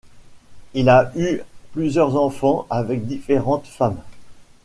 Il a eu plusieurs enfants avec différentes femmes.